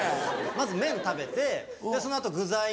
まず麺食べてその後具材の。